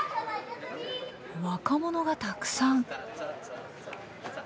若者がたくさん。